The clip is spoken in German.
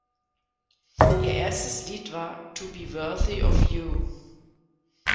Ihr erstes Lied war "To Be Worthy of You".